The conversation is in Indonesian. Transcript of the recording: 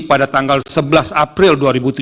pada tanggal sebelas april dua ribu tujuh belas